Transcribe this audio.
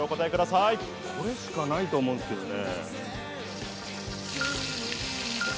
これしかないと思うんですけどね。